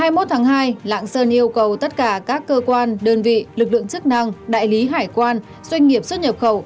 chúng tôi yêu cầu tất cả các cơ quan đơn vị lực lượng chức năng đại lý hải quan doanh nghiệp xuất nhập khẩu